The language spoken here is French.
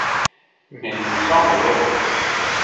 Mais il me semble alors!